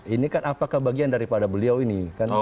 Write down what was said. ini kan apakah bagian daripada beliau ini